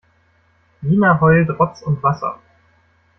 Lina heult Rotz und Wasser.